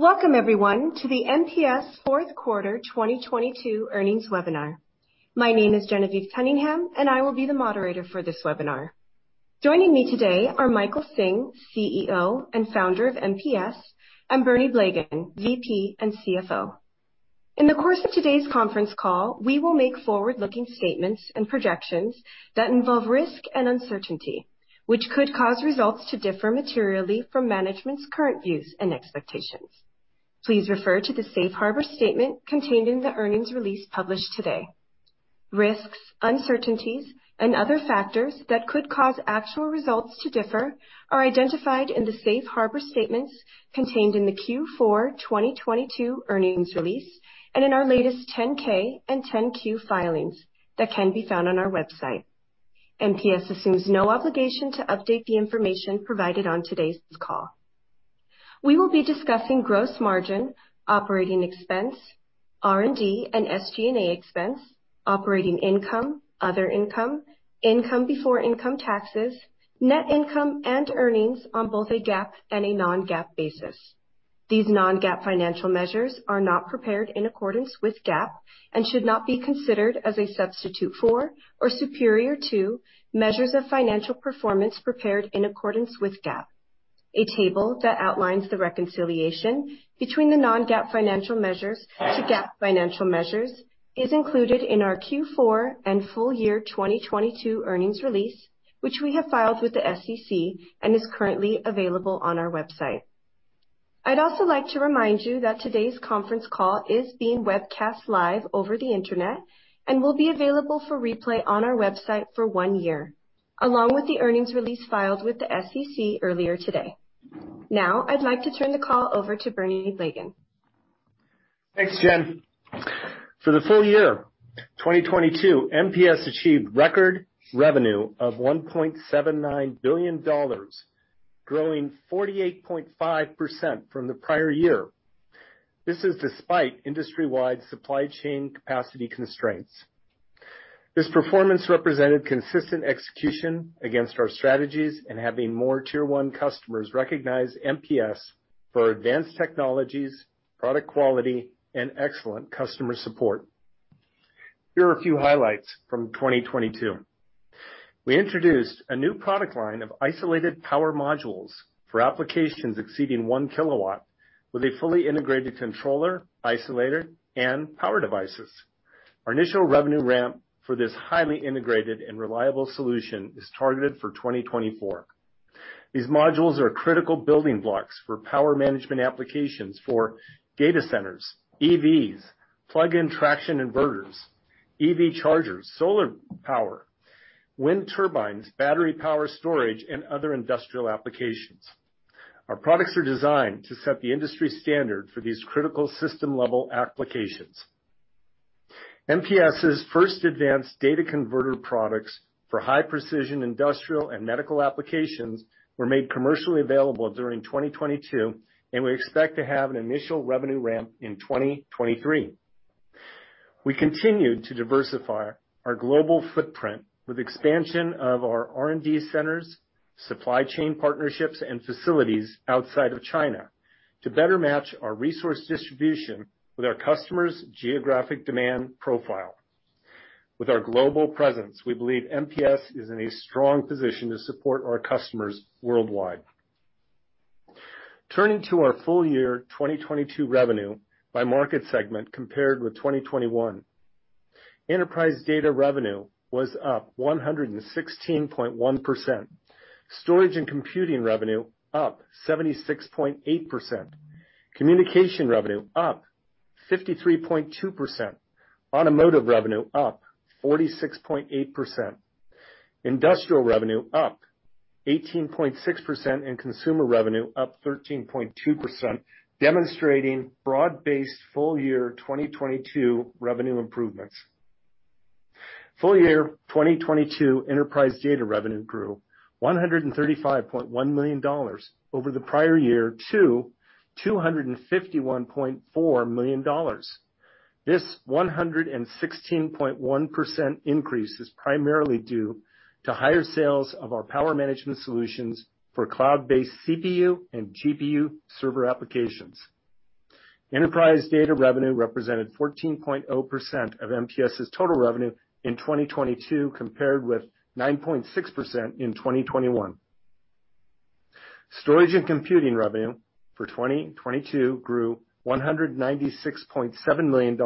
Welcome everyone to the MPS 4th quarter 2022 earnings webinar. My name is Genevieve Cunningham. I will be the moderator for this webinar. Joining me today are Michael Hsing, CEO and founder of MPS; and Bernie Blegen, VP and CFO. In the course of today's conference call, we will make forward-looking statements and projections that involve risk and uncertainty, which could cause results to differ materially from management's current views and expectations. Please refer to the safe harbor statement contained in the earnings release published today. Risks, uncertainties, and other factors that could cause actual results to differ are identified in the safe harbor statements contained in the Q4 2022 earnings release and in our latest 10-K and 10-Q filings that can be found on our website. MPS assumes no obligation to update the information provided on today's call. We will be discussing gross margin, operating expense, R&D, and SG&A expense, operating income, other income before income taxes, net income, and earnings on both a GAAP and a non-GAAP basis. These non-GAAP financial measures are not prepared in accordance with GAAP and should not be considered as a substitute for or superior to measures of financial performance prepared in accordance with GAAP. A table that outlines the reconciliation between the non-GAAP financial measures to GAAP financial measures is included in our Q4 and full year 2022 earnings release, which we have filed with the SEC and is currently available on our website. I'd also like to remind you that today's conference call is being webcast live over the Internet and will be available for replay on our website for one year, along with the earnings release filed with the SEC earlier today. I'd like to turn the call over to Bernie Blegen. Thanks, Gen. For the full year 2022, MPS achieved record revenue of $1.79 billion, growing 48.5% from the prior year. This is despite industry-wide supply chain capacity constraints. This performance represented consistent execution against our strategies and having more tier one customers recognize MPS for advanced technologies, product quality, and excellent customer support. Here are a few highlights from 2022. We introduced a new product line of isolated power modules for applications exceeding 1 kW with a fully integrated controller, isolator, and power devices. Our initial revenue ramp for this highly integrated and reliable solution is targeted for 2024. These modules are critical building blocks for power management applications for data centers, EVs, plug-in traction inverters, EV chargers, solar power, wind turbines, battery power storage, and other industrial applications. Our products are designed to set the industry standard for these critical system-level applications. MPS' first advanced data converter products for high-precision industrial and medical applications were made commercially available during 2022, and we expect to have an initial revenue ramp in 2023. We continued to diversify our global footprint with expansion of our R&D centers, supply chain partnerships, and facilities outside of China to better match our resource distribution with our customers' geographic demand profile. With our global presence, we believe MPS is in a strong position to support our customers worldwide. Turning to our full year 2022 revenue by market segment compared with 2021, enterprise data revenue was up 116.1%, storage and computing revenue up 76.8%, communication revenue up 53.2%, automotive revenue up 46.8%, industrial revenue up 18.6%, and consumer revenue up 13.2%, demonstrating broad-based full year 2022 revenue improvements. Full year 2022 enterprise data revenue grew $135.1 million over the prior year to $251.4 million. This 116.1% increase is primarily due to higher sales of our power management solutions for cloud-based CPU and GPU server applications. Enterprise data revenue represented 14.0% of MPS's total revenue in 2022, compared with 9.6% in 2021. Storage and computing revenue for 2022 grew $196.7 million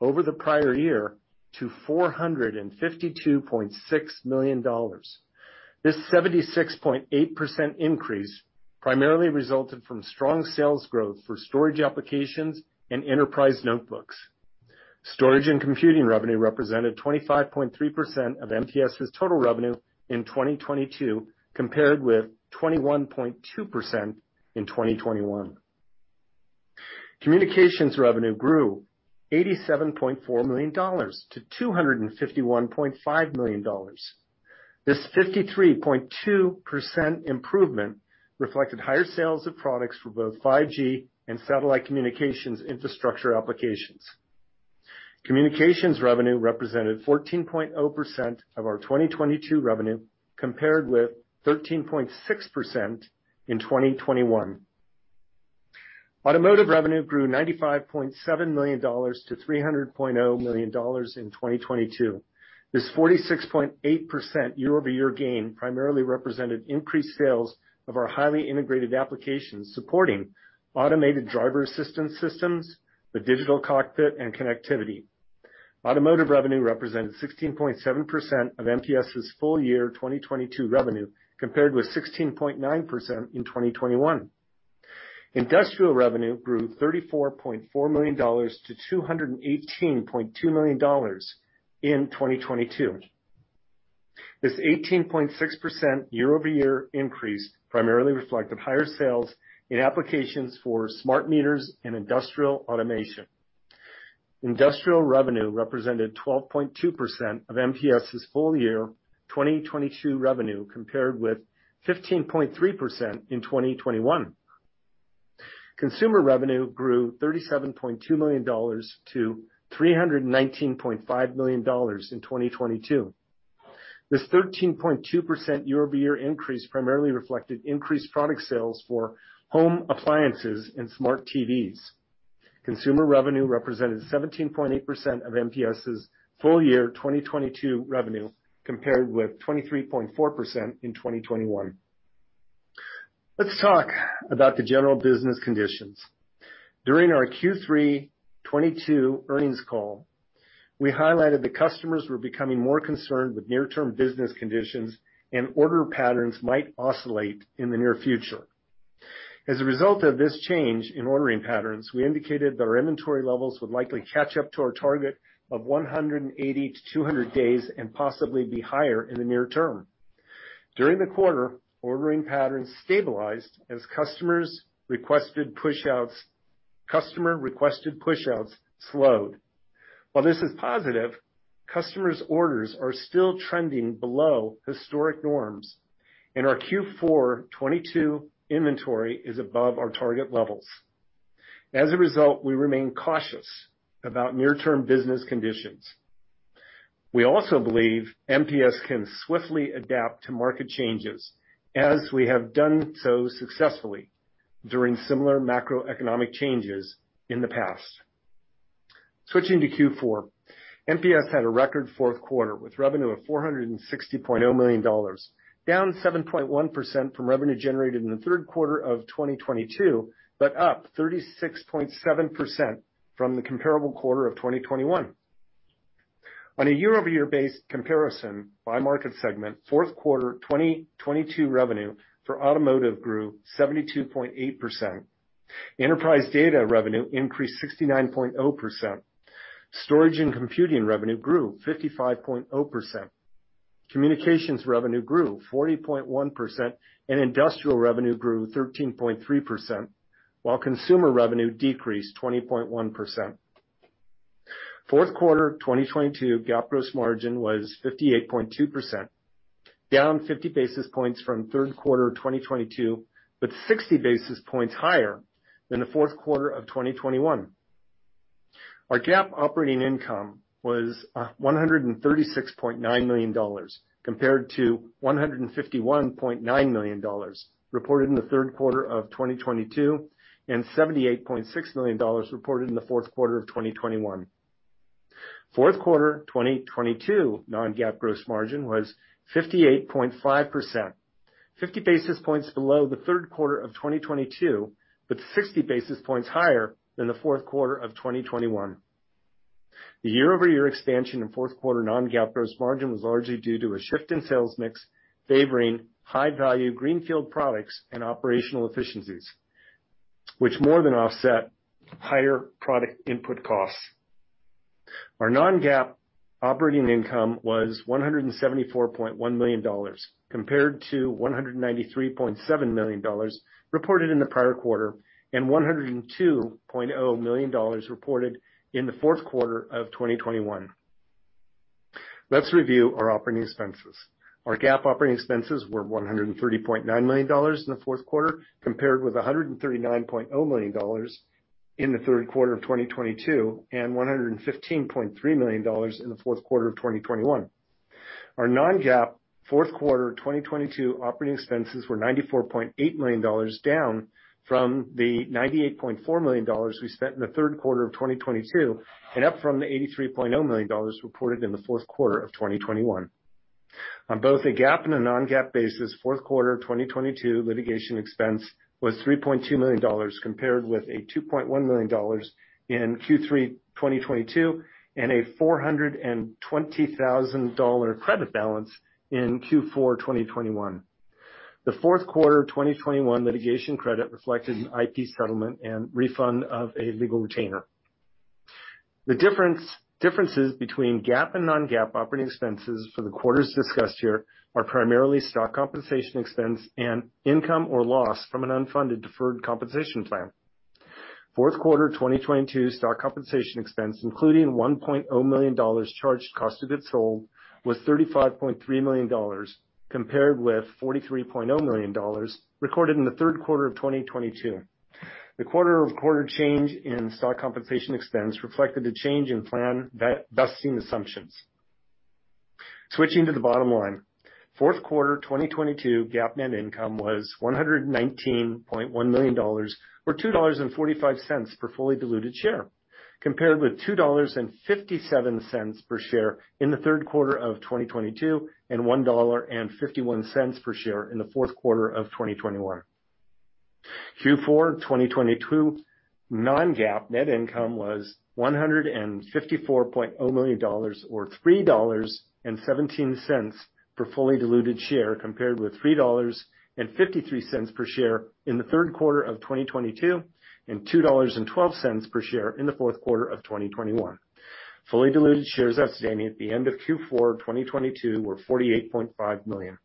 over the prior year to $452.6 million. This 76.8% increase primarily resulted from strong sales growth for storage applications and enterprise notebooks. Storage and computing revenue represented 25.3% of MPS's total revenue in 2022, compared with 21.2% in 2021. Communications revenue grew $87.4 million to $251.5 million. This 53.2% improvement reflected higher sales of products for both 5G and satellite communications infrastructure applications. Communications revenue represented 14.0% of our 2022 revenue, compared with 13.6% in 2021. Automotive revenue grew $95.7 million to $300.0 million in 2022. This 46.8% year-over-year gain primarily represented increased sales of our highly integrated applications supporting automated driver assistance systems, the digital cockpit, and connectivity. Automotive revenue represented 16.7% of MPS's full year 2022 revenue, compared with 16.9% in 2021. Industrial revenue grew $34.4 million to $218.2 million in 2022. This 18.6% year-over-year increase primarily reflected higher sales in applications for smart meters and industrial automation. Industrial revenue represented 12.2% of MPS's full year 2022 revenue, compared with 15.3% in 2021. Consumer revenue grew $37.2 million to $319.5 million in 2022. This 13.2% year-over-year increase primarily reflected increased product sales for home appliances and smart TVs. Consumer revenue represented 17.8% of MPS's full year 2022 revenue, compared with 23.4% in 2021. Let's talk about the general business conditions. During our Q3 2022 earnings call, we highlighted the customers were becoming more concerned with near-term business conditions and order patterns might oscillate in the near future. As a result of this change in ordering patterns, we indicated our inventory levels would likely catch up to our target of 180-200 days and possibly be higher in the near term. During the quarter, ordering patterns stabilized as customer-requested pushouts slowed. While this is positive, customers' orders are still trending below historic norms, and our Q4 2022 inventory is above our target levels. As a result, we remain cautious about near-term business conditions. We also believe MPS can swiftly adapt to market changes, as we have done so successfully during similar macroeconomic changes in the past. Switching to Q4, MPS had a record fourth quarter, with revenue of $460.0 million, down 7.1% from revenue generated in the third quarter of 2022, but up 36.7% from the comparable quarter of 2021. On a year-over-year base comparison by market segment, fourth quarter 2022 revenue for automotive grew 72.8%. Enterprise data revenue increased 69.0%. Storage and computing revenue grew 55.0%. Communications revenue grew 40.1%, and industrial revenue grew 13.3%, while consumer revenue decreased 20.1%. Fourth quarter 2022 GAAP gross margin was 58.2%, down 50 basis points from third quarter 2022, but 60 basis points higher than the fourth quarter of 2021. Our GAAP operating income was $136.9 million, compared to $151.9 million reported in the third quarter of 2022, and $78.6 million reported in the fourth quarter of 2021. Fourth quarter 2022 non-GAAP gross margin was 58.5%, 50 basis points below the third quarter of 2022, but 60 basis points higher than the fourth quarter of 2021. The year-over-year expansion in fourth quarter non-GAAP gross margin was largely due to a shift in sales mix favoring high-value greenfield products and operational efficiencies, which more than offset higher product input costs. Our non-GAAP operating income was $174.1 million, compared to $193.7 million reported in the prior quarter, and $102.0 million reported in the fourth quarter of 2021. Let's review our operating expenses. Our GAAP operating expenses were $130.9 million in the fourth quarter, compared with $139.0 million in the third quarter of 2022, and $115.3 million in the fourth quarter of 2021. Our non-GAAP fourth quarter 2022 operating expenses were $94.8 million, down from the $98.4 million we spent in the third quarter of 2022, and up from the $83.0 million reported in the fourth quarter of 2021. On both a GAAP and a non-GAAP basis, fourth quarter 2022 litigation expense was $3.2 million, compared with a $2.1 million in Q3 2022, and a $420,000 credit balance in Q4 2021. The fourth quarter 2021 litigation credit reflected an IP settlement and refund of a legal retainer. The differences between GAAP and non-GAAP operating expenses for the quarters discussed here are primarily stock compensation expense and income or loss from an unfunded deferred compensation plan. Fourth quarter 2022 stock-based compensation expense, including $1.0 million charged cost of goods sold, was $35.3 million, compared with $43.0 million recorded in the third quarter of 2022. The quarter-over-quarter change in stock compensation expense reflected a change in plan vesting assumptions. Switching to the bottom line. Fourth quarter 2022 GAAP net income was $119.1 million or $2.45 per fully diluted share, compared with $2.57 per share in the third quarter of 2022, and $1.51 per share in the fourth quarter of 2021. Q4 2022 non-GAAP net income was $154.0 million or $3.17 per fully diluted share, compared with $3.53 per share in the third quarter of 2022, and $2.12 per share in the fourth quarter of 2021. Fully diluted shares outstanding at the end of Q4 2022 were 48.5 million.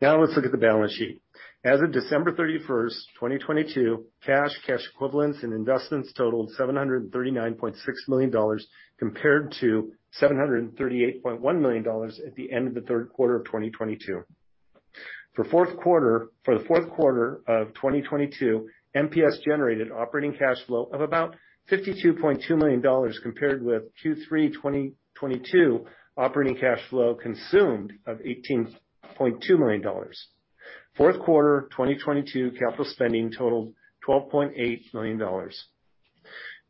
Now let's look at the balance sheet. As of December 31st, 2022, cash equivalents and investments totaled $739.6 million compared to $738.1 million at the end of the third quarter of 2022. For the fourth quarter of 2022, MPS generated operating cash flow of about $52.2 million compared with Q3 2022 operating cash flow consumed of $18.2 million. Fourth quarter 2022 capital spending totaled $12.8 million.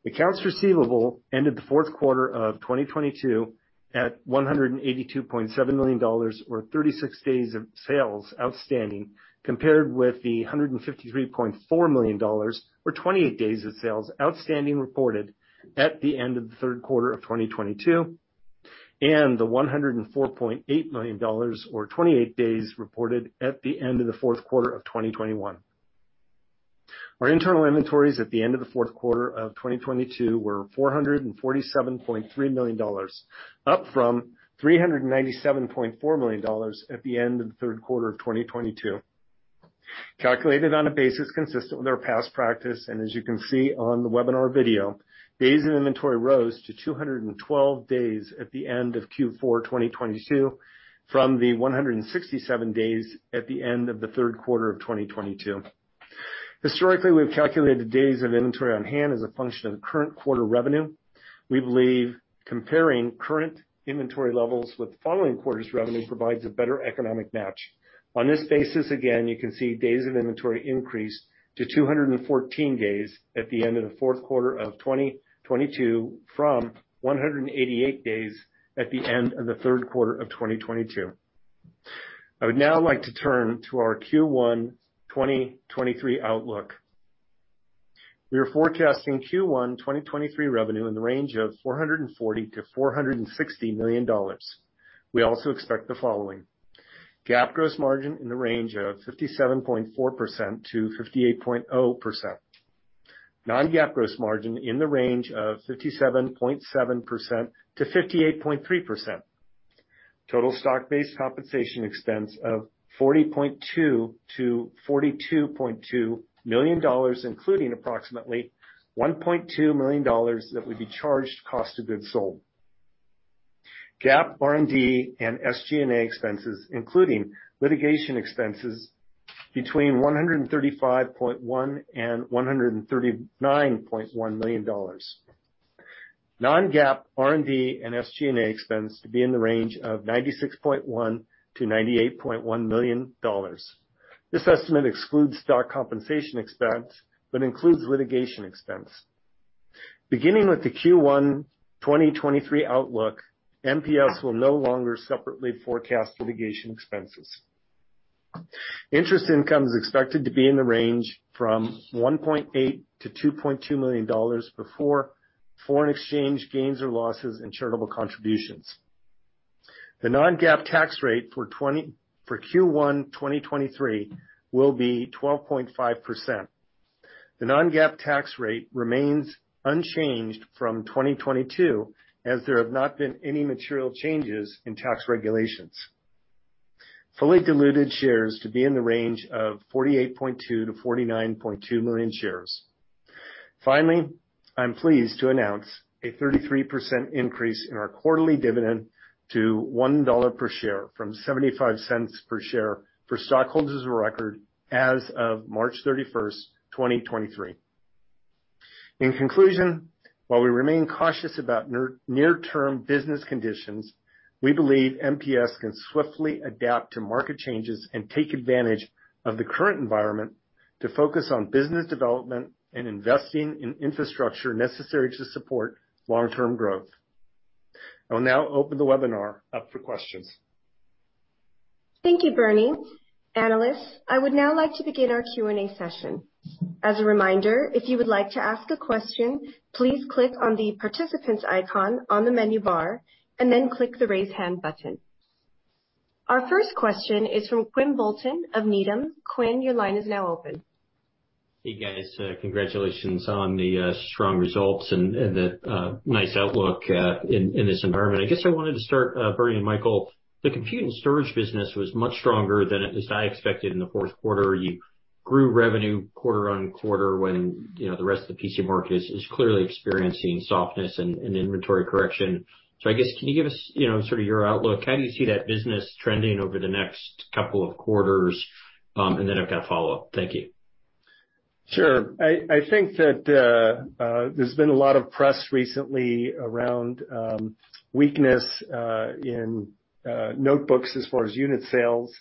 Accounts receivable ended the fourth quarter of 2022 at $182.7 million, or 36 days of sales outstanding, compared with $153.4 million or 28 days of sales outstanding reported at the end of the third quarter of 2022, and $104.8 million or 28 days reported at the end of the fourth quarter of 2021. Our internal inventories at the end of the fourth quarter of 2022 were $447.3 million, up from $397.4 million at the end of the third quarter of 2022. Calculated on a basis consistent with our past practice, and as you can see on the webinar video, days of inventory rose to 212 days at the end of Q4 2022 from the 167 days at the end of the third quarter of 2022. Historically, we've calculated days of inventory on hand as a function of the current quarter revenue. We believe comparing current inventory levels with the following quarter's revenue provides a better economic match. On this basis, again, you can see days of inventory increased to 214 days at the end of the fourth quarter of 2022, from 188 days at the end of the third quarter of 2022. I would now like to turn to our Q1 2023 outlook. We are forecasting Q1 2023 revenue in the range of $440 million-$460 million. We also expect the following: GAAP gross margin in the range of 57.4%-58.0%. Non-GAAP gross margin in the range of 57.7%-58.3%. Total stock-based compensation expense of $40.2 million-$42.2 million, including approximately $1.2 million that would be charged cost of goods sold. GAAP R&D and SG&A expenses, including litigation expenses between $135.1 million and $139.1 million. Non-GAAP R&D and SG&A expense to be in the range of $96.1 million-$98.1 million. This estimate excludes stock compensation expense, but includes litigation expense. Beginning with the Q1 2023 outlook, MPS will no longer separately forecast litigation expenses. Interest income is expected to be in the range from $1.8 million-$2.2 million before foreign exchange gains or losses and charitable contributions. The non-GAAP tax rate for Q1 2023 will be 12.5%. The non-GAAP tax rate remains unchanged from 2022, as there have not been any material changes in tax regulations. Fully diluted shares to be in the range of 48.2 million-49.2 million shares. Finally, I'm pleased to announce a 33% increase in our quarterly dividend to $1 per share from $0.75 per share for stockholders of the record as of March 31st, 2023. In conclusion, while we remain cautious about near-term business conditions, we believe MPS can swiftly adapt to market changes and take advantage of the current environment to focus on business development and investing in infrastructure necessary to support long-term growth. I will now open the webinar up for questions. Thank you, Bernie. Analysts, I would now like to begin our Q&A session. As a reminder, if you would like to ask a question, please click on the Participants icon on the menu bar and then click the Raise Hand button. Our first question is from Quinn Bolton of Needham. Quinn, your line is now open. Hey, guys, congratulations on the strong results and the nice outlook in this environment. I guess I wanted to start, Bernie and Michael, the computer storage business was much stronger than at least I expected in the fourth quarter. You grew revenue quarter-on-quarter when, you know, the rest of the PC market is clearly experiencing softness and inventory correction. I guess, can you give us, you know, sort of your outlook? How do you see that business trending over the next couple of quarters? I've got a follow-up. Thank you. Sure. I think that there's been a lot of press recently around weakness in notebooks as far as unit sales.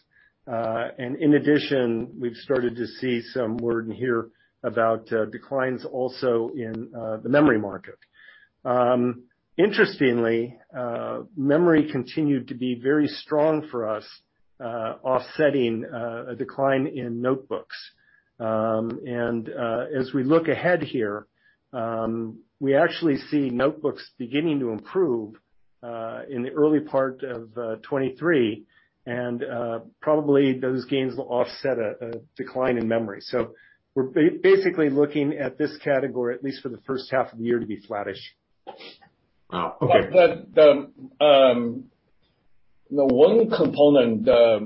In addition, we've started to see some word in here about declines also in the memory market. Interestingly, memory continued to be very strong for us, offsetting a decline in notebooks. As we look ahead here, we actually see notebooks beginning to improve in the early part of 2023, and probably those gains will offset a decline in memory. We're basically looking at this category, at least for the first half of the year, to be flattish. Oh, okay. The, the one component, the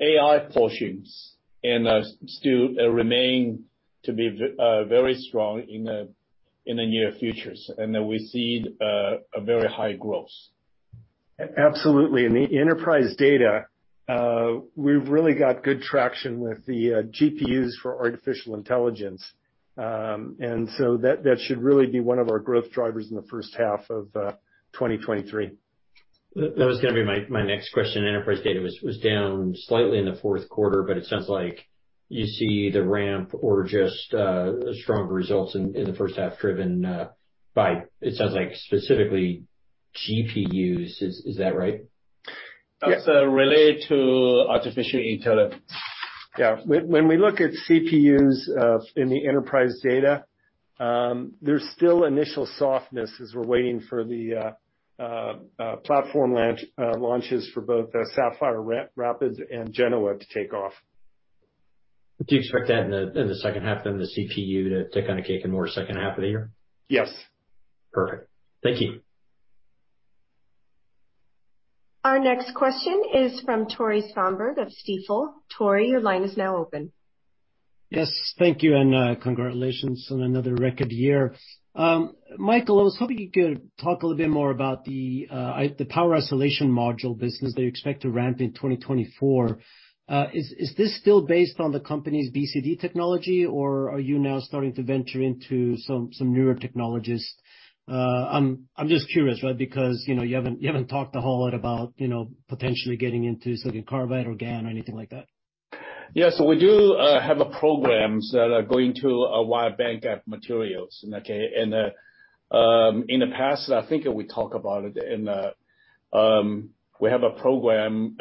AI portions and, still remain to be very strong in the near futures, and then we see, a very high growth. Absolutely. In the enterprise data, we've really got good traction with the GPUs for artificial intelligence. That should really be one of our growth drivers in the first half of 2023. That was gonna be my next question. Enterprise data was down slightly in the fourth quarter, but it sounds like you see the ramp or just strong results in the first half driven by, it sounds like specifically GPUs. Is that right? Yes. That's related to artificial intelligence. Yeah. When we look at CPUs, in the enterprise data, there's still initial softness as we're waiting for the platform launches for both Sapphire Rapids and Genoa to take off. Do you expect that in the second half then, the CPU to kind of kick in more second half of the year? Yes. Perfect. Thank you. Our next question is from Tore Svanberg of Stifel. Tore, your line is now open. Yes, thank you. Congratulations on another record year. Michael, I was hoping you could talk a little bit more about the power isolation module business that you expect to ramp in 2024. Is this still based on the company's BCD technology, or are you now starting to venture into some newer technologies? I'm just curious, right, because, you know, you haven't talked a whole lot about, you know, potentially getting into silicon carbide or GaN or anything like that. We do have programs that are going to wide bandgap materials. In the past, I think we talk about it in we have a program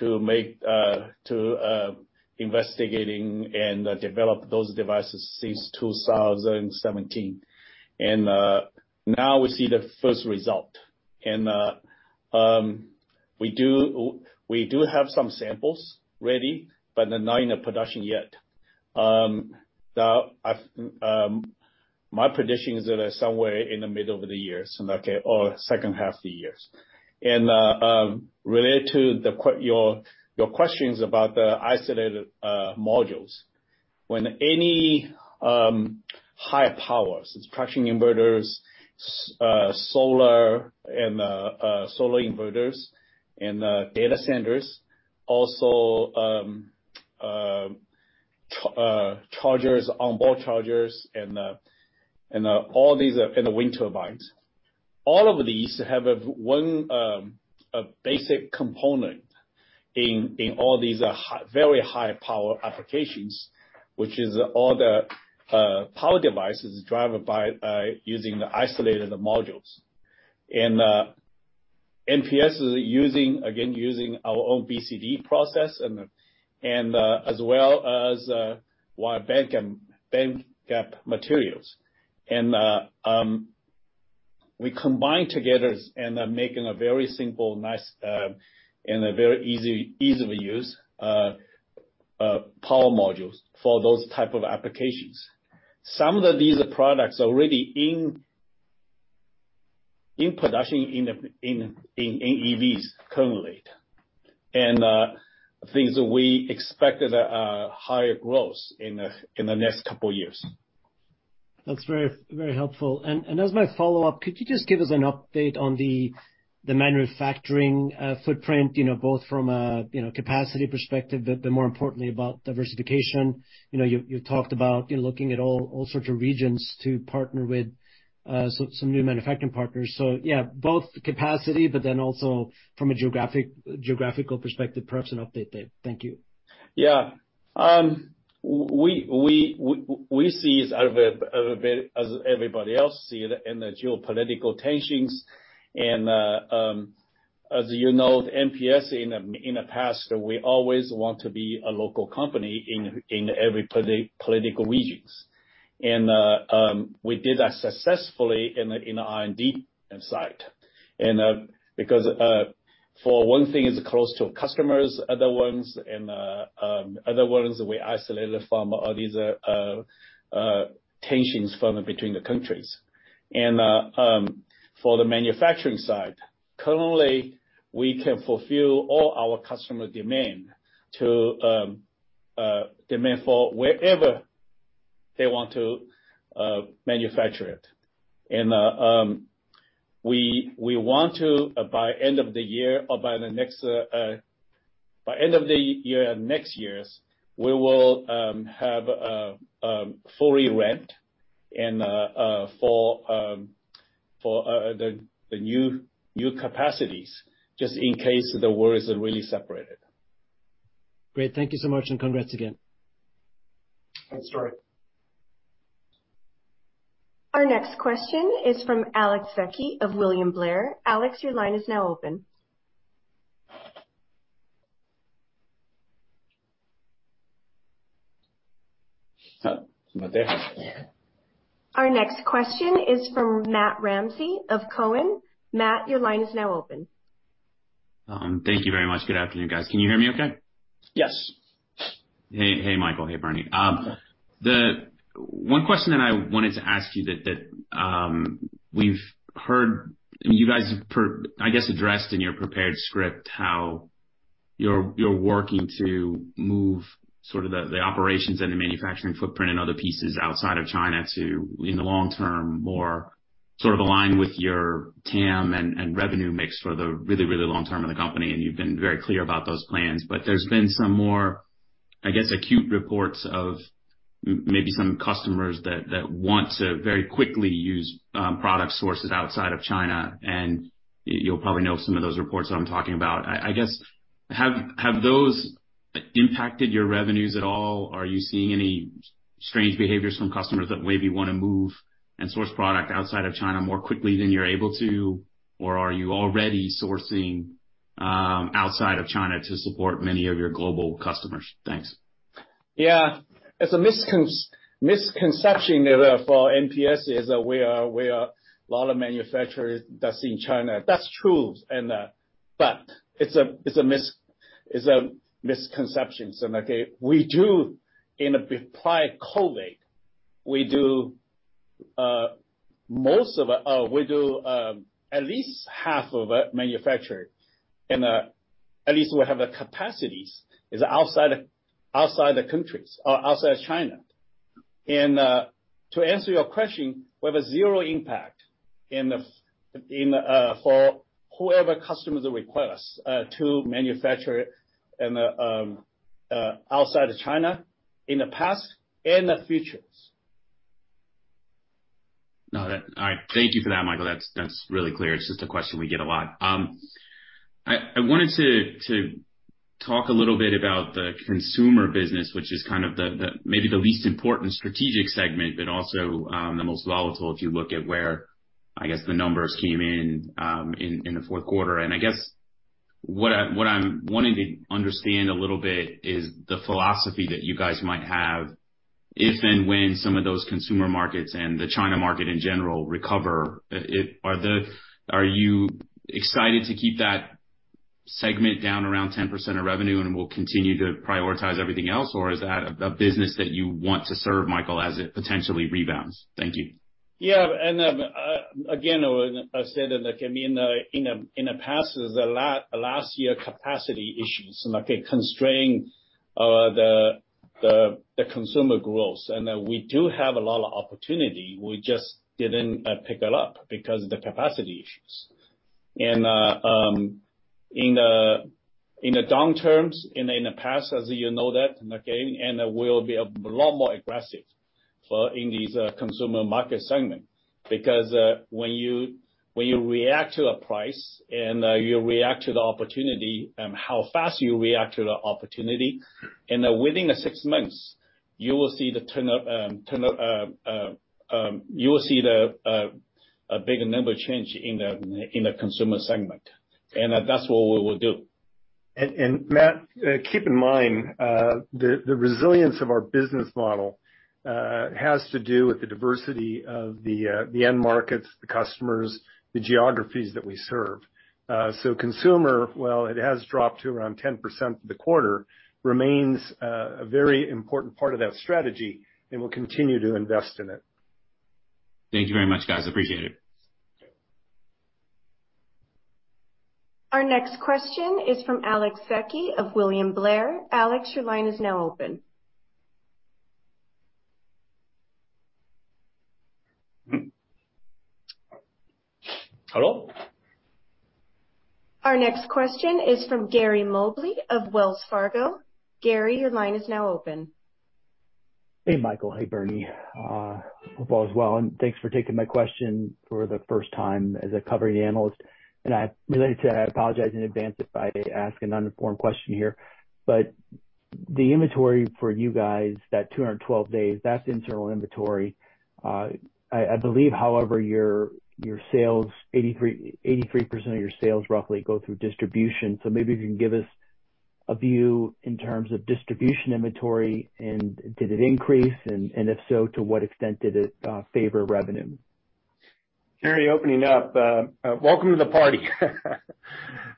to investigating and develop those devices since 2017. Now we see the first result. We do have some samples ready, but they're not in the production yet. My prediction is that they're somewhere in the middle of the year, or second half of the year. Related to your questions about the isolated modules, when any high powers, it's traction inverters, solar and solar inverters and data centers, also chargers, onboard chargers and all these and wind turbines. All of these have a one basic component in all these high, very high power applications, which is all the power devices is driven by using the isolated modules. MPS is using, again, using our own BCD process and as well as wide bandgap materials. We combine together and are making a very simple, nice, and a very easy to use power modules for those type of applications. Some of these products are already in production in EVs currently. Things that we expect at a higher growth in the next couple years. That's very, very helpful. And as my follow-up, could you just give us an update on the manufacturing footprint, you know, both from a, you know, capacity perspective, but more importantly about diversification. You know, you've talked about, you know, looking at all sorts of regions to partner with, so some new manufacturing partners. Yeah, both the capacity, but then also from a geographical perspective, perhaps an update there. Thank you. Yeah. We see as everybody else see it in the geopolitical tensions. As you know, MPS in the past, we always want to be a local company in every political regions. We did that successfully in the R&D side. Because for one thing, it's close to customers, other ones and other ones we isolated from all these tensions from between the countries. For the manufacturing side, currently we can fulfill all our customer demand to demand for wherever they want to manufacture it. And of the year or by the next, by end of the year, next years, we will have fully ramped for the new capacities, just in case the wars are really separated. Great. Thank you so much, and congrats again. Thanks, Tore. Our next question is from Alex Vecchi of William Blair. Alex, your line is now open. Oh, nobody? Our next question is from Matt Ramsay of Cowen. Matt, your line is now open. Thank you very much. Good afternoon, guys. Can you hear me okay? Yes. Hey. Hey, Michael. Hey, Bernie. The one question that I wanted to ask you that we've heard, and you guys have I guess, addressed in your prepared script how you're working to move sort of the operations and the manufacturing footprint and other pieces outside of China to, in the long term, more sort of align with your TAM and revenue mix for the really, really long term of the company, and you've been very clear about those plans. There's been some more, I guess, acute reports of maybe some customers that want to very quickly use product sources outside of China, and you'll probably know some of those reports that I'm talking about. I guess, have those impacted your revenues at all? Are you seeing any strange behaviors from customers that maybe wanna move and source product outside of China more quickly than you're able to? Or are you already sourcing outside of China to support many of your global customers? Thanks. Yeah. It's a misconception that for MPS is that we are a lot of manufacturers that's in China. That's true, and but it's a misconception. Like we do in a pre-COVID, we do at least half of our manufacturer and at least we have the capacities, is outside the countries or outside China. To answer your question, we have a zero impact in the in for whoever customers request to manufacture in the outside of China in the past and the futures. No. All right. Thank you for that, Michael. That's really clear. It's just a question we get a lot. I wanted to talk a little bit about the consumer business, which is kind of the maybe the least important strategic segment, but also the most volatile if you look at where, I guess, the numbers came in in the fourth quarter. I guess what I'm wanting to understand a little bit is the philosophy that you guys might have if and when some of those consumer markets and the China market in general recover. Are you excited to keep that segment down around 10% of revenue and will continue to prioritize everything else? Or is that a business that you want to serve, Michael, as it potentially rebounds? Thank you. Yeah. Again, I said, I mean, in the past is last year capacity issues, like, it constrained the consumer growth. We do have a lot of opportunity. We just didn't pick it up because of the capacity issues. In the long terms, in the past, as you know that, again, and we'll be a lot more aggressive for, in this consumer market segment. Because when you react to a price and you react to the opportunity and how fast you react to the opportunity, and within the six months, you will see the turnup, you will see the a big number change in the consumer segment. That's what we will do. Matt, keep in mind, the resilience of our business model has to do with the diversity of the end markets, the customers, the geographies that we serve. Consumer, while it has dropped to around 10% for the quarter, remains a very important part of that strategy, and we'll continue to invest in it. Thank you very much, guys. I appreciate it. Our next question is from Alex Vecchi of William Blair. Alex, your line is now open. Hello? Our next question is from Gary Mobley of Wells Fargo. Gary, your line is now open. Hey, Michael. Hey, Bernie. Hope all is well, and thanks for taking my question for the first time as a covering analyst. I related to that, I apologize in advance if I ask an uninformed question here. The inventory for you guys, that 212 days, that's internal inventory. I believe, however, your sales, 83% of your sales roughly go through distribution. Maybe you can give us a view in terms of distribution inventory, and did it increase, and if so, to what extent did it favor revenue? Gary, opening up, welcome to the party.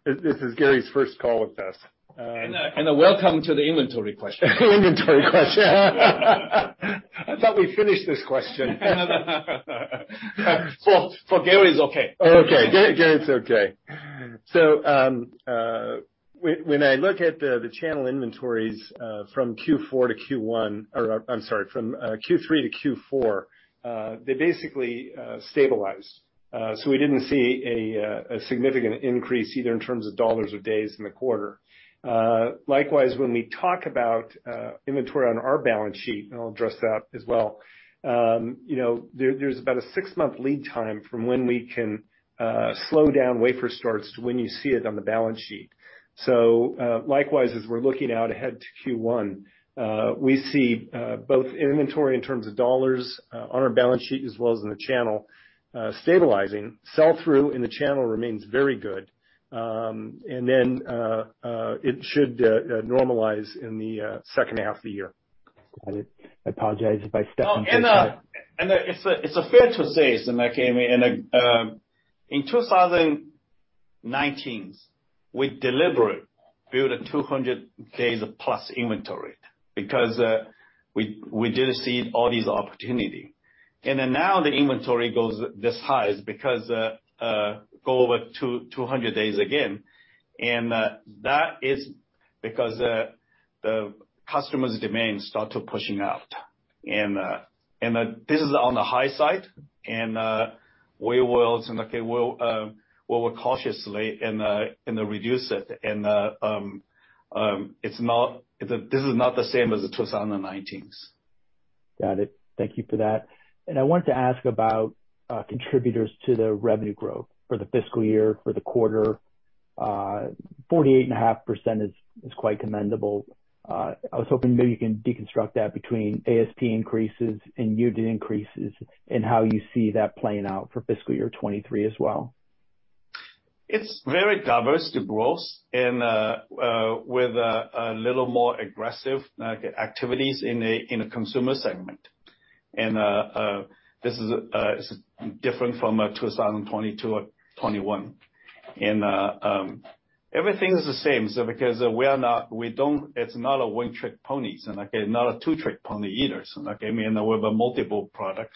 This is Gary's first call with us. Welcome to the inventory question. Inventory question. I thought we finished this question. For Gary, it's okay. Okay. Gary, it's okay. When I look at the channel inventories from Q4 to Q1, or I'm sorry, from Q3 to Q4, they basically stabilized. We didn't see a significant increase either in terms of dollars or days in the quarter. Likewise, when we talk about inventory on our balance sheet, and I'll address that as well, you know, there's about a six-month lead time from when we can slow down wafer starts to when you see it on the balance sheet. Likewise, as we're looking out ahead to Q1, we see both inventory in terms of dollars on our balance sheet as well as in the channel stabilizing. Sell-through in the channel remains very good. It should normalize in the second half of the year. Got it. I apologize if I stepped on your toes. No. It's fair to say, so like, in 2019, we deliberately built a 200 days plus inventory because we did see all these opportunity. Now the inventory goes this high because go over 200 days again, and that is because the customer's demand start to pushing out. This is on the high side, and we will, so like we'll work cautiously and reduce it. It's not the same as the 2019. Got it. Thank you for that. I wanted to ask about contributors to the revenue growth for the fiscal year, for the quarter. 48.5% is quite commendable. I was hoping maybe you can deconstruct that between ASP increases and unit increases and how you see that playing out for fiscal year 2023 as well. It's very diverse to growth with a little more aggressive, like, activities in a consumer segment. This is different from 2022 or 2021. Everything's the same. Because it's not a one-trick pony, and like not a two-trick pony either. Like, I mean, we have a multiple product.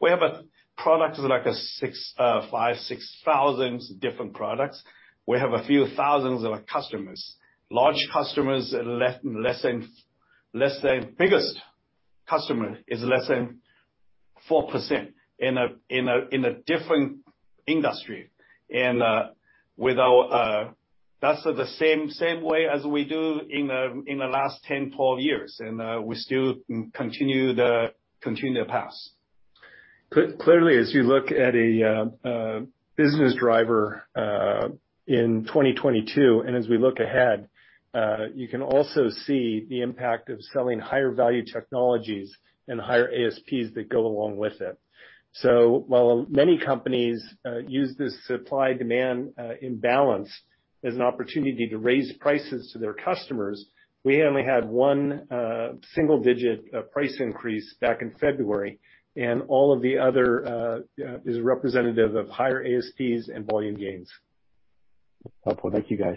We have a product like a 5,000-6,000 different products. We have a few thousands of customers, large customers, less than. Biggest customer is less than 4% in a different industry. With our, that's the same way as we do in the last 10-12 years. We still continue the path. Clearly, as you look at a business driver in 2022, and as we look ahead, you can also see the impact of selling higher value technologies and higher ASPs that go along with it. While many companies use this supply-demand imbalance as an opportunity to raise prices to their customers, we only had one single-digit price increase back in February, and all of the other is representative of higher ASPs and volume gains. Well put. Thank you guys.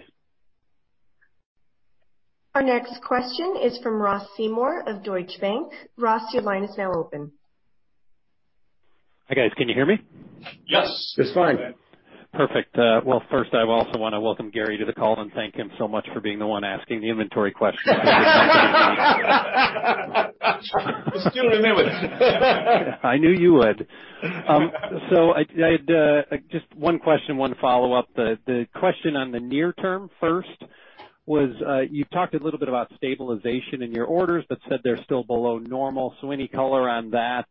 Our next question is from Ross Seymore of Deutsche Bank. Ross, your line is now open. Hi, guys. Can you hear me? Yes. It's fine. Perfect. Well, first, I also wanna welcome Gary to the call and thank him so much for being the one asking the inventory question. We still remember that. I knew you would. I'd just one question, one follow-up. The question on the near term first was, you talked a little bit about stabilization in your orders, but said they're still below normal. Any color on that?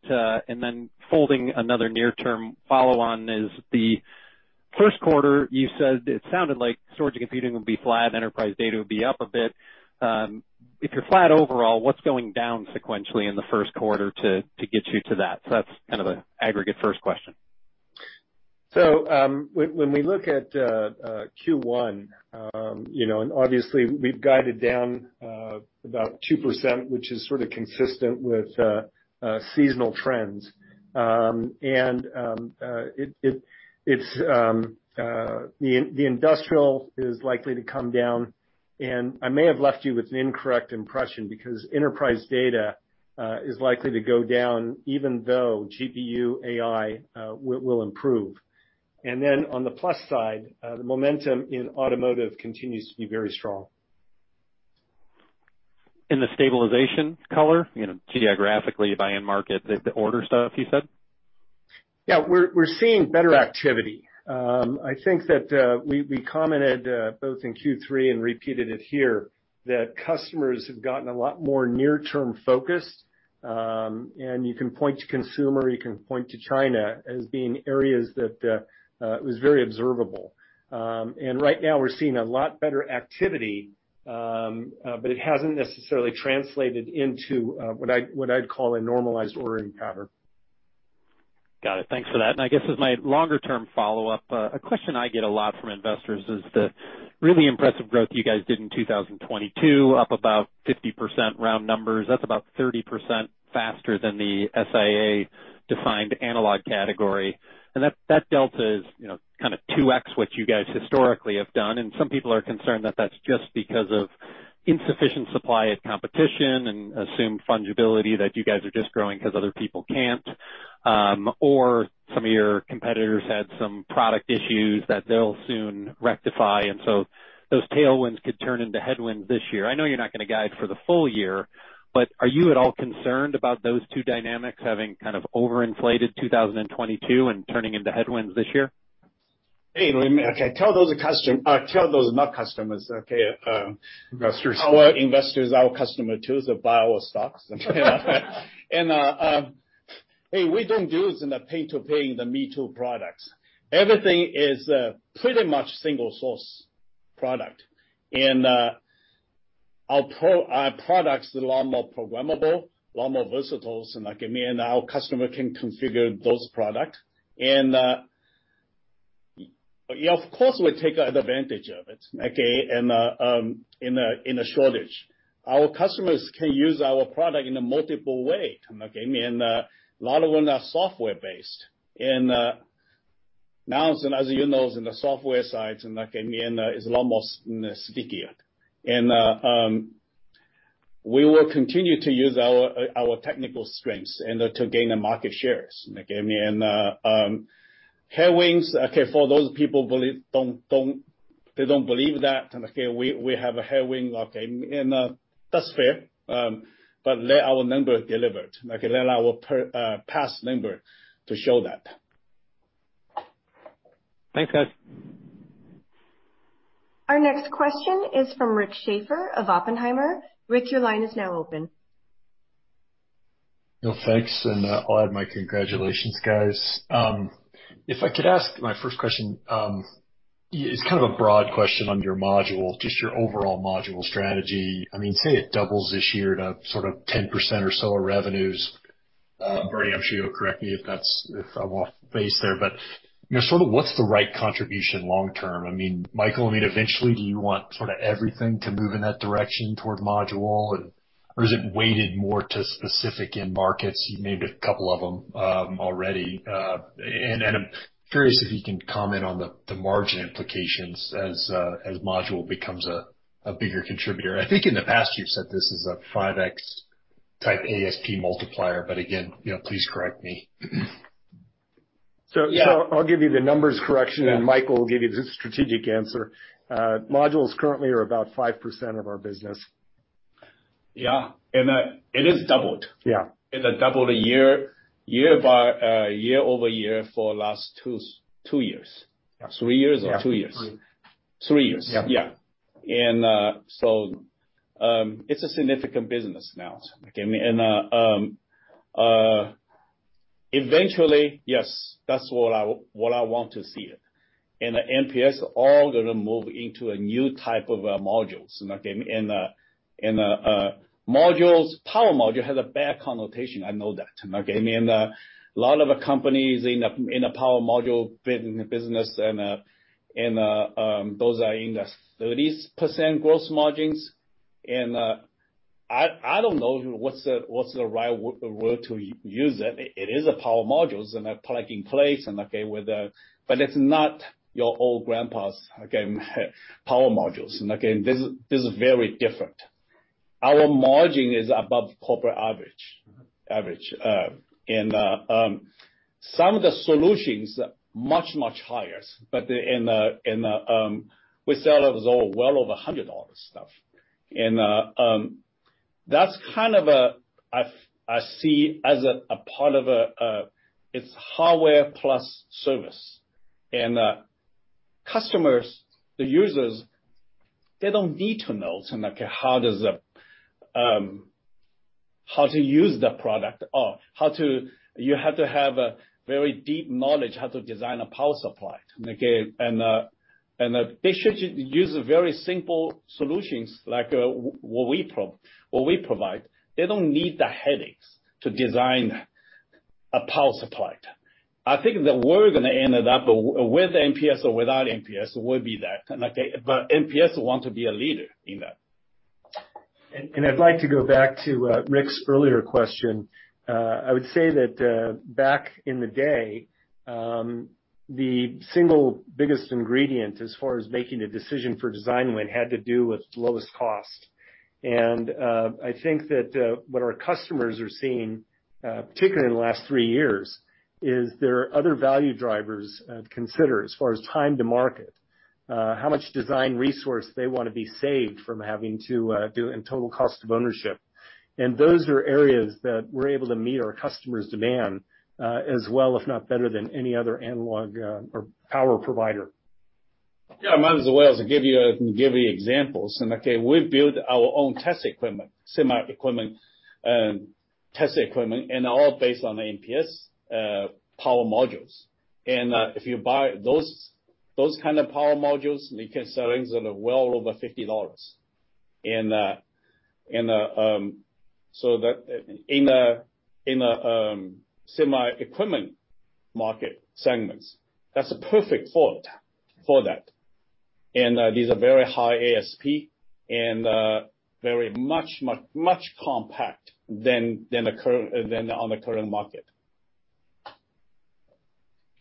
Then folding another near-term follow-on is the first quarter, you said it sounded like storage and computing would be flat, enterprise data would be up a bit. If you're flat overall, what's going down sequentially in the first quarter to get you to that? That's kind of the aggregate first question. When we look at Q1, you know, and obviously we've guided down about 2%, which is sort of consistent with seasonal trends. It's the industrial is likely to come down, and I may have left you with an incorrect impression because enterprise data is likely to go down even though GPU AI will improve. On the plus side, the momentum in automotive continues to be very strong. In the stabilization color, you know, geographically by end market, the order stuff you said? Yeah. We're seeing better activity. I think that we commented both in Q3 and repeated it here, that customers have gotten a lot more near-term focused. You can point to consumer, you can point to China as being areas that it was very observable. Right now we're seeing a lot better activity, but it hasn't necessarily translated into what I'd call a normalized ordering pattern. Got it. Thanks for that. I guess as my longer-term follow-up, a question I get a lot from investors is the really impressive growth you guys did in 2022, up about 50% round numbers. That's about 30% faster than the SIA-defined analog category. That delta is, you know, kind of 2x what you guys historically have done, and some people are concerned that that's just because of insufficient supply of competition and assumed fungibility that you guys are just growing because other people can't. Or some of your competitors had some product issues that they'll soon rectify, those tailwinds could turn into headwinds this year. I know you're not gonna guide for the full year, but are you at all concerned about those two dynamics having kind of overinflated 2022 and turning into headwinds this year? Anyway, okay, tell those not customers, okay. Investors. Our investors are our customer too. They buy our stocks. hey, we don't do is in the pay-to-play the me-too products. Everything is pretty much single source product. Our products are a lot more programmable, a lot more versatile, and like, I mean, our customer can configure those products. Of course, we take advantage of it, okay, in a shortage. Our customers can use our product in a multiple way, okay. A lot of them are software-based. Now, as you know, in the software side, and like, I mean, is a lot more, you know, stickier. We will continue to use our technical strengths and to gain the market shares, okay. Headwinds, okay, for those people believe they don't believe that. Okay, we have a headwind, okay. That's fair, but let our numbers delivered. Okay. Let our past number to show that. Thanks, guys. Our next question is from Rick Schafer of Oppenheimer. Rick, your line is now open. Well, thanks, and I'll add my congratulations, guys. If I could ask my first question, it's kind of a broad question on your module, just your overall module strategy. I mean, say it doubles this year to sort of 10% or so of revenues. Bernie, I'm sure you'll correct me if I'm off base there, but, you know, sort of what's the right contribution long term? I mean, Michael, I mean, eventually, do you want sort of everything to move in that direction toward module? Or is it weighted more to specific end markets? You named a couple of them already. And I'm curious if you can comment on the margin implications as module becomes a bigger contributor. I think in the past, you've said this is a 5x type ASP multiplier, but again, you know, please correct me. I'll give you the numbers. Yeah. Michael will give you the strategic answer. Modules currently are about 5% of our business. Yeah. It is doubled. Yeah. It doubled a year-over-year for the last two years. Yeah. Three years or two years? Three. Three years. Yeah. Yeah. So, it's a significant business now, okay. Eventually, yes, that's what I want to see it. MPS all gonna move into a new type of modules. Power module has a bad connotation, I know that, okay. A lot of companies in a power module business, and those are in the 30% gross margins. I don't know what's the right word to use it. It is a power modules and a plug in place, okay. It's not your old grandpa's, okay, power modules. This is very different. Our margin is above corporate average. Some of the solutions much higher. We sell those all well over $100 stuff. That's kind of I see as a part of a, it's hardware plus service. Customers, the users, they don't need to know how to use the product. You have to have a very deep knowledge how to design a power supply, okay. They should use very simple solutions like what we provide. They don't need the headaches to design a power supply. I think that we're gonna end it up with MPS or without MPS will be that, okay. MPS want to be a leader in that. I'd like to go back to Rick's earlier question. I would say that back in the day, the single biggest ingredient as far as making a decision for design win had to do with lowest cost. I think that what our customers are seeing, particularly in the last three years, is there are other value drivers to consider as far as time to market, how much design resource they wanna be saved from having to do and total cost of ownership. Those are areas that we're able to meet our customers' demand as well, if not better than, any other analog or power provider. Yeah. Might as well to give you examples. We build our own test equipment, semi equipment, test equipment, and all based on MPS power modules. If you buy those kind of power modules, we can sell things that are well over $50. That in a semi equipment market segments, that's a perfect fit for that. These are very high ASP and very much compact than on the current market.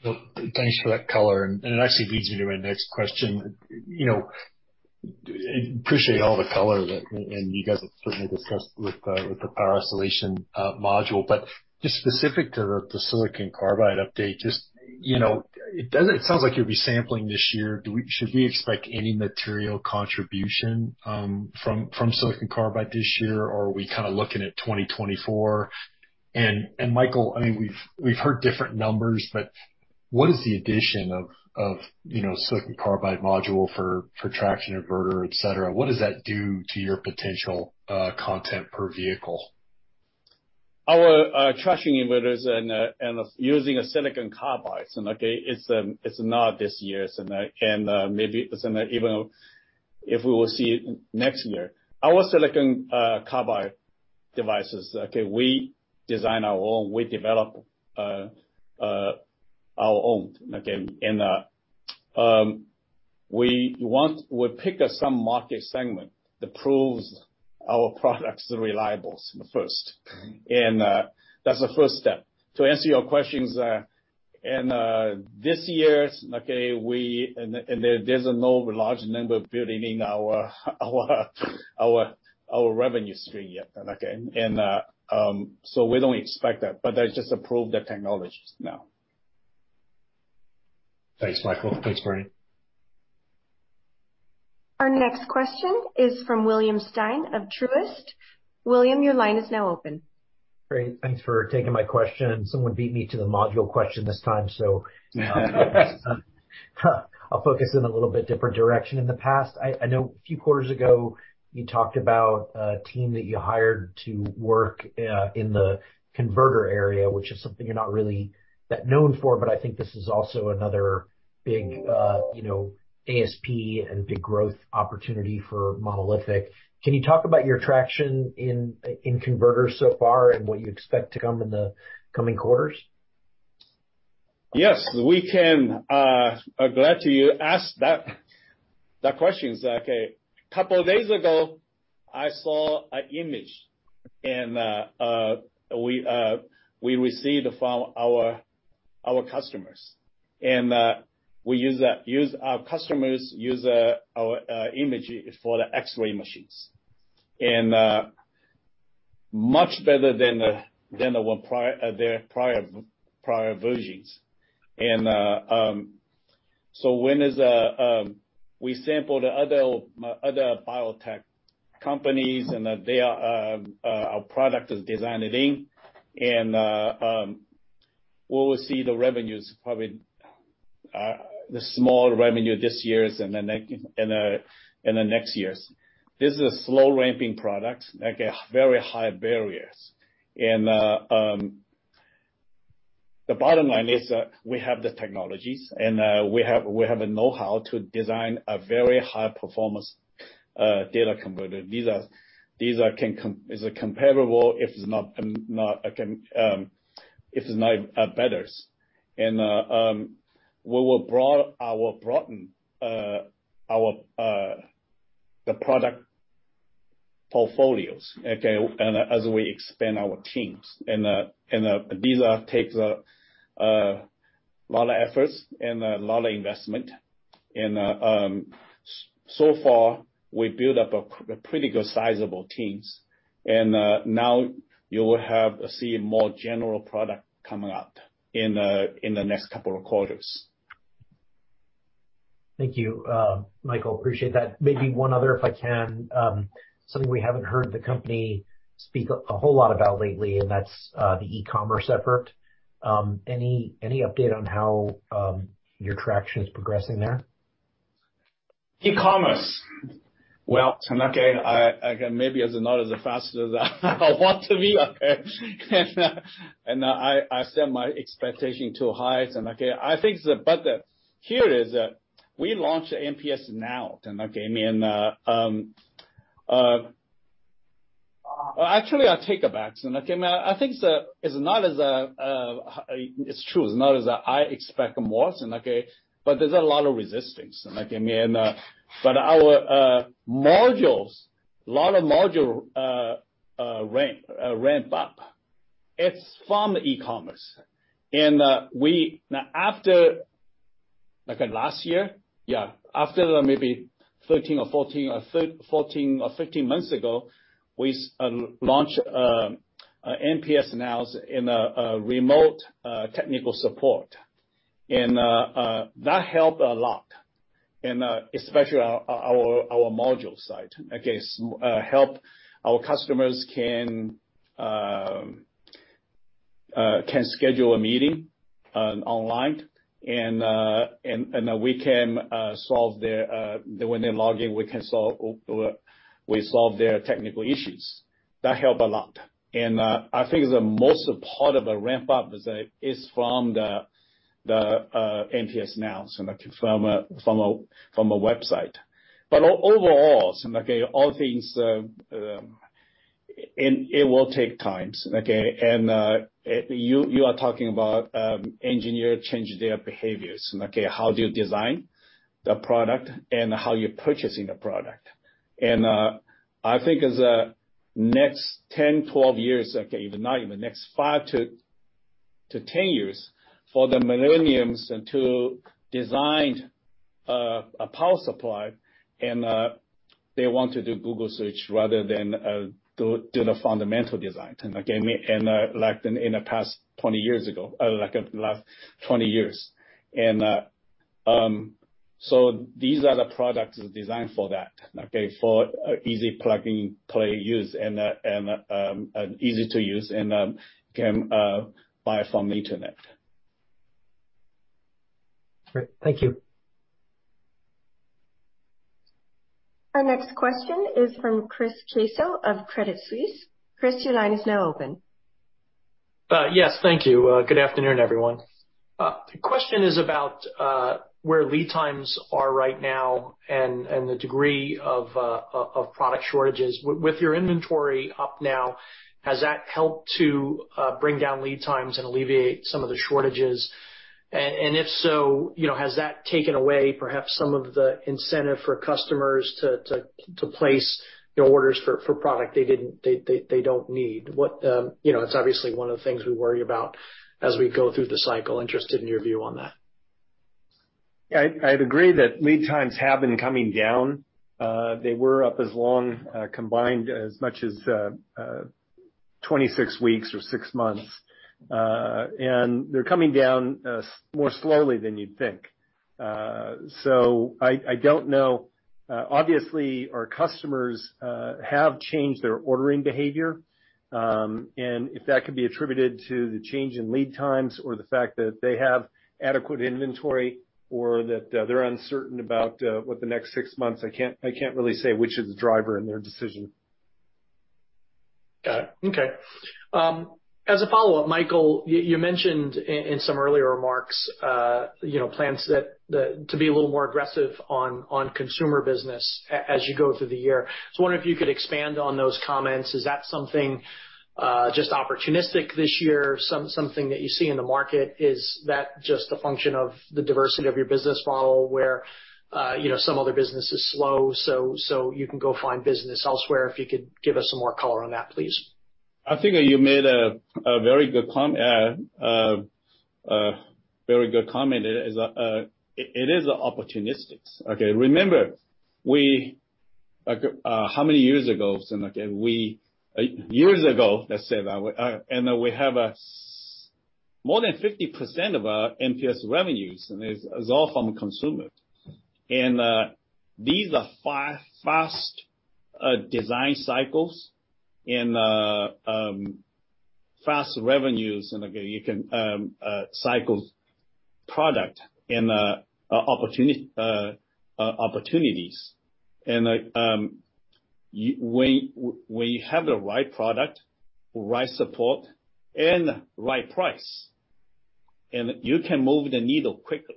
Thanks for that color. It actually leads me to my next question. You know, appreciate all the color that, and you guys have certainly discussed with the power module, but just specific to the silicon carbide update, just, you know, it sounds like you'll be sampling this year. Should we expect any material contribution from silicon carbide this year, or are we kind of looking at 2024? Michael, I mean, we've heard different numbers, but what is the addition of, you know, silicon carbide module for traction inverter, et cetera? What does that do to your potential content per vehicle? Our traction inverters and using a silicon carbide, okay, it's not this year, and maybe it's an even if we will see next year. Our silicon carbide devices, okay, we design our own, we develop our own, okay? We pick some market segment that proves our products are reliables first. That's the first step. To answer your questions, and this year, okay, and there's no large number building in our revenue stream yet, okay. We don't expect that, but that's just to prove the technologies now. Thanks, Michael. Thanks, Bernie. Our next question is from William Stein of Truist. William, your line is now open. Great. Thanks for taking my question. Someone beat me to the module question this time, I'll focus in a little bit different direction. In the past, I know a few quarters ago, you talked about a team that you hired to work in the converter area, which is something you're not really that known for, I think this is also another big, you know, ASP and big growth opportunity for Monolithic. Can you talk about your traction in converters so far and what you expect to come in the coming quarters? Yes, we can. I'm glad to you asked that questions. Okay. A couple of days ago, I saw an image and we received from our customers, and we use that, our customers, use our image for the X-ray machines. Much better than the one their prior versions. When is a we sample the other biotech companies and their our product is designed in, we will see the revenues probably the small revenue this year and the next years. This is a slow ramping product, okay, very high barriers. The bottom line is that we have the technologies and we have a know-how to design a very high performance data converter. These are comparable, if it's not betters. We will we'll broaden our the product portfolios, okay, and as we expand our teams. These are take the a lot of efforts and a lot of investment. So far, we build up a pretty good sizable teams. Now you will have see more general product coming out in the next couple of quarters. Thank you, Michael. Appreciate that. Maybe one other, if I can. Something we haven't heard the company speak a whole lot about lately, and that's the e-commerce effort. Any, any update on how your traction is progressing there? E-commerce. Well, okay, I maybe is not as fast as I want to be. I set my expectation too high. Here it is. We launched MPSNow. I mean, actually, I take it back. I think it's not as it's true. It's not as I expect more, there's a lot of resistance. I mean, our modules, a lot of module ramp up. It's from e-commerce. Now, after last year? After maybe 13 or 14 or 15 months ago, we launch MPSNow in a remote technical support. That helped a lot, especially our module site. Help our customers can schedule a meeting online and we can solve their when they log in, we solve their technical issues. That help a lot. I think the most part of the ramp up is from the MPSNow from website. Overall, like all things, it will take time, okay. You are talking about engineer change their behaviors, okay, how do you design the product and how you're purchasing the product. I think next 10, 12 years, okay, even not even, next five to 10 years for the millenniums to design a power supply and they want to do Google search rather than go do the fundamental design. Okay? Like in the past 20 years ago, like in the last 20 years. So these are the products designed for that, okay? For easy plug-in play use and easy to use and can buy from internet. Great. Thank you. Our next question is from Chris Caso of Credit Suisse. Chris, your line is now open. Yes, thank you. Good afternoon, everyone. The question is about where lead times are right now and the degree of product shortages. With your inventory up now, has that helped to bring down lead times and alleviate some of the shortages? If so, you know, has that taken away perhaps some of the incentive for customers to place, you know, orders for product they don't need? What, you know, it's obviously one of the things we worry about as we go through the cycle. Interested in your view on that. Yeah. I'd agree that lead times have been coming down. They were up as long, combined as much as 26 weeks or six months. They're coming down, more slowly than you'd think. I don't know. Obviously, our customers have changed their ordering behavior, and if that could be attributed to the change in lead times or the fact that they have adequate inventory or that they're uncertain about what the next six months, I can't really say which is the driver in their decision. Got it. Okay. As a follow-up, Michael, you mentioned in some earlier remarks, you know, plans to be a little more aggressive on consumer business as you go through the year. I wonder if you could expand on those comments. Is that something just opportunistic this year, something that you see in the market? Is that just a function of the diversity of your business model where, you know, some other business is slow, so you can go find business elsewhere? If you could give us some more color on that, please. I think you made a very good comment. It is opportunistic. Okay. Remember, we how many years ago, Years ago, let's say that, we have more than 50% of our MPS revenues, it's all from consumer. These are fast design cycles and fast revenues, again, you can cycle product and opportunities. When you have the right product, right support, and right price, you can move the needle quickly.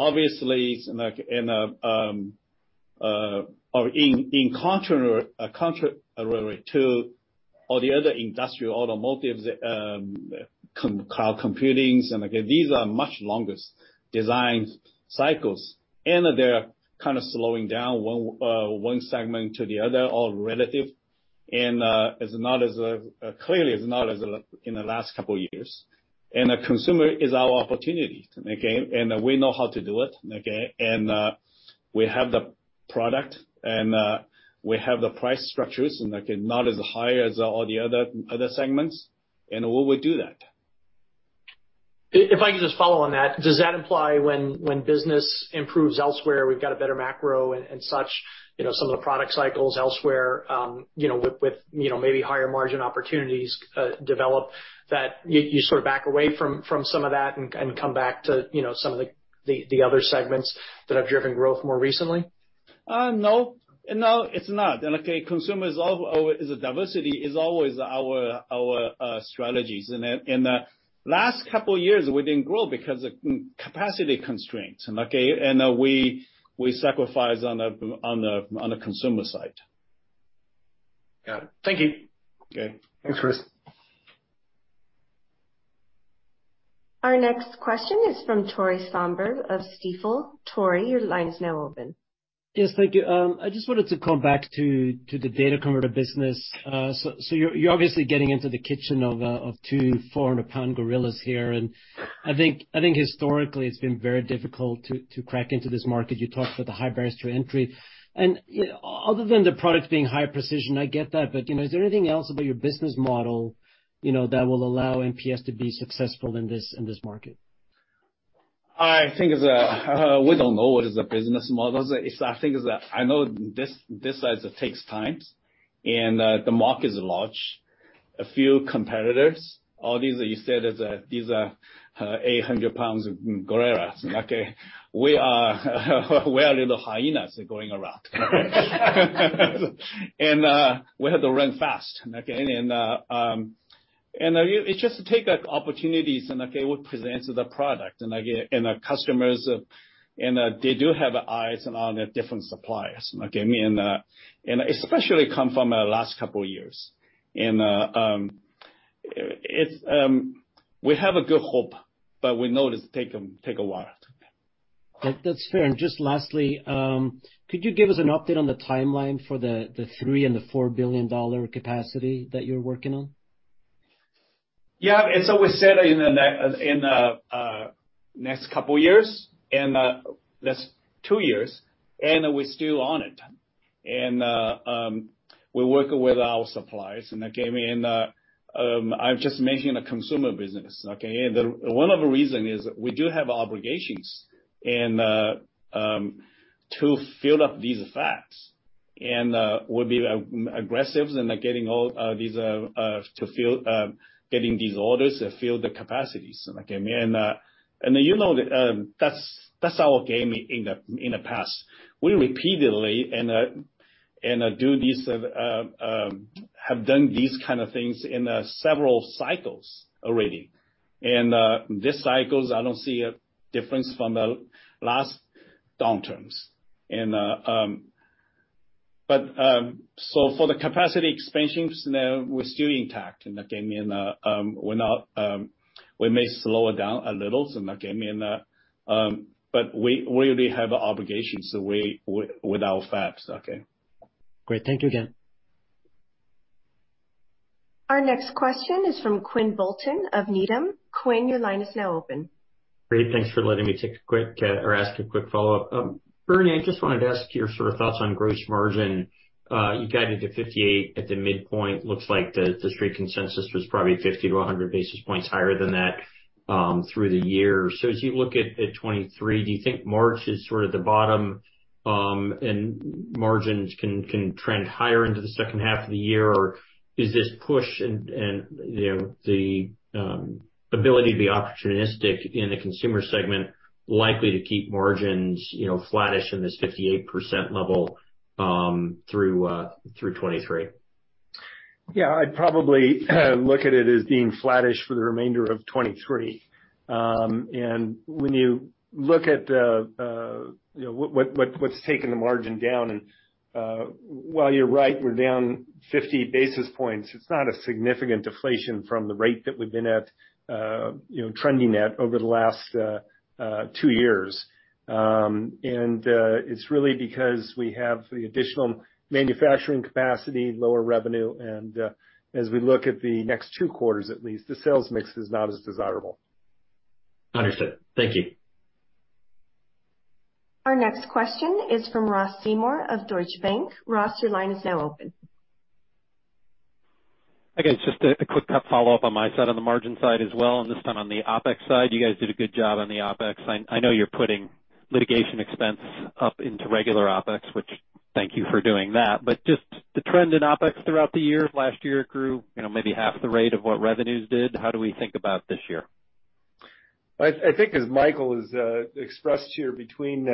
Obviously, or in contrary to all the other industrial automotives, cloud computings, again, these are much longer design cycles, they're kind of slowing down one segment to the other or relative. It's not as, clearly, it's not as in the last couple of years. The consumer is our opportunity, okay? We know how to do it, okay? We have the product, and we have the price structures, and again, not as high as all the other segments. We will do that. If I can just follow on that. Does that imply when business improves elsewhere, we've got a better macro and such, you know, some of the product cycles elsewhere, you know, with, you know, maybe higher margin opportunities, develop, that you sort of back away from some of that and come back to, you know, some of the other segments that have driven growth more recently? No. No, it's not. Okay, consumer is always is a diversity, is always our strategies. In the last couple of years, we didn't grow because of capacity constraints, okay? We sacrifice on the consumer side. Got it. Thank you. Okay. Thanks, Chris. Our next question is from Tore Svanberg of Stifel. Tore, your line is now open. Yes, thank you. I just wanted to come back to the data converter business. So you're obviously getting into the kitchen of two 400-pound gorillas here. I think historically it's been very difficult to crack into this market. You talked about the high barriers to entry. Other than the product being high precision, I get that, but, you know, is there anything else about your business model, you know, that will allow MPS to be successful in this market? I think it's a. We don't know what is a business model. It's. I think it's a. I know this size takes time. The market is large. A few competitors, all these you said, these are 800-pounds gorillas. Okay. We are little hyenas going around. We have to run fast, okay? It's just take opportunities, and okay, we present the product, and, again, and our customers, and, they do have eyes on the different suppliers, okay? Especially come from the last couple of years. It's. We have a good hope, but we know this take a while. That's fair. Just lastly, could you give us an update on the timeline for the $3 billion and the $4 billion capacity that you're working on? Yeah. We said in the next couple years and next two years, and we're still on it. We work with our suppliers and, okay, I'm just mentioning the consumer business, okay. One of the reason is we do have obligations and to fill up these facts. We'll be aggressive in getting all these to fill, getting these orders to fill the capacities, okay. You know, that's our game in the past. We repeatedly have done these kind of things in several cycles already. This cycles, I don't see a difference from the last downturns. For the capacity expansions now, we're still intact, and again, we're not, we may slow it down a little and, okay, but we really have obligations the way with our facts. Okay. Great. Thank you again. Our next question is from Quinn Bolton of Needham. Quinn, your line is now open. Great. Thanks for letting me take a quick, or ask a quick follow-up. Bernie, I just wanted to ask your sort of thoughts on gross margin. You guided to 58 at the midpoint. Looks like the street consensus was probably 50 to 100 basis points higher than that through the year. As you look at 2023, do you think March is sort of the bottom, and margins can trend higher into the second half of the year? Is this push and, you know, the ability to be opportunistic in the consumer segment likely to keep margins, you know, flattish in this 58% level through 2023? Yeah. I'd probably look at it as being flattish for the remainder of 2023. And when you look at the, you know, what, what's taking the margin down, and while you're right, we're down 50 basis points, it's not a significant deflation from the rate that we've been at, you know, trending at over the last two years. And it's really because we have the additional manufacturing capacity, lower revenue, and as we look at the next two quarters at least, the sales mix is not as desirable. Understood. Thank you. Our next question is from Ross Seymore of Deutsche Bank. Ross, your line is now open. Again, just a quick follow-up on my side on the margin side as well, and this time on the OpEx side. You guys did a good job on the OpEx. I know you're putting litigation expense up into regular OpEx, which thank you for doing that. Just the trend in OpEx throughout the year of last year grew, you know, maybe half the rate of what revenues did. How do we think about this year? I think as Michael has expressed here between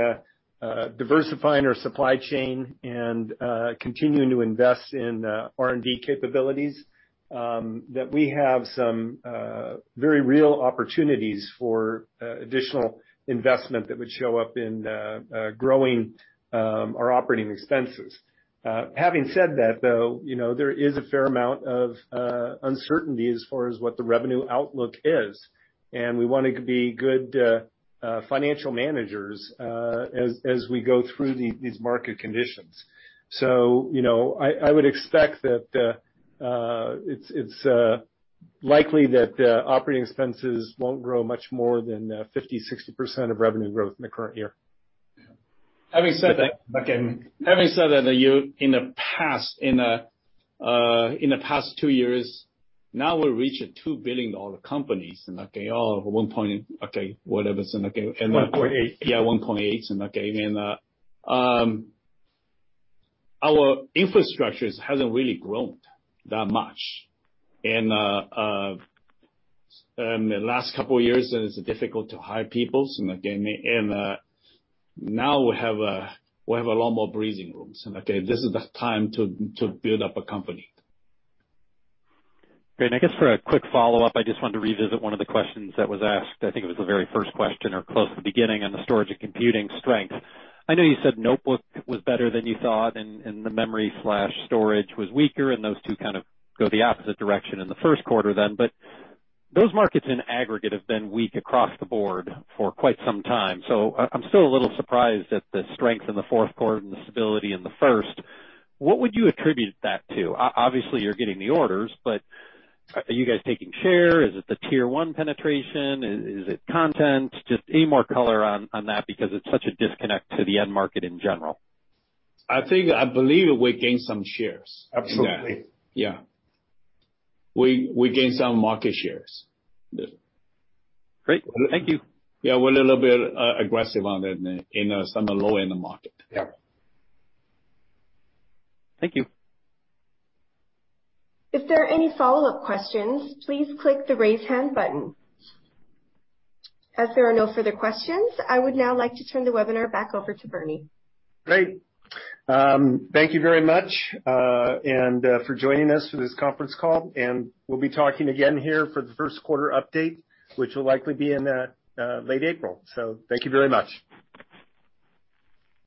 diversifying our supply chain and continuing to invest in R&D capabilities, that we have some very real opportunities for additional investment that would show up in growing our operating expenses. Having said that, though, you know, there is a fair amount of uncertainty as far as what the revenue outlook is, and we wanna be good financial managers as we go through these market conditions. You know, I would expect that it's likely that the operating expenses won't grow much more than 50%, 60% of revenue growth in the current year. Having said that, again, having said that, you in the past years years now we're reaching $2 billion dollar companies and again, or one point, okay, whatever. $1.8 billion. Yeah, $1.8 billion. Again, our infrastructures hasn't really grown that much. In the last couple years, it's difficult to hire people and again, now we have a lot more breathing rooms, and okay, this is the time to build up a company. Great. I guess for a quick follow-up, I just wanted to revisit one of the questions that was asked. I think it was the very first question or close to the beginning on the storage and computing strength. I know you said notebook was better than you thought and the memory/storage was weaker, and those two kind of go the opposite direction in the first quarter then. Those markets in aggregate have been weak across the board for quite some time. I'm still a little surprised at the strength in the fourth quarter and the stability in the first. What would you attribute that to? Obviously you're getting the orders, but are you guys taking share? Is it the tier one penetration? Is it content? Just any more color on that because it's such a disconnect to the end market in general. I think, I believe we gained some shares. Absolutely. Yeah. We gained some market shares. Great. Thank you. We're a little bit aggressive on that in some low-end market. Yeah. Thank you. If there are any follow-up questions, please click the Raise Hand button. As there are no further questions, I would now like to turn the webinar back over to Bernie. Great. Thank you very much, for joining us for this conference call, we'll be talking again here for the first quarter update, which will likely be in late April. Thank you very much.